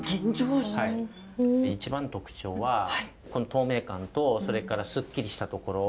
一番の特徴はこの透明感とそれからすっきりしたところ。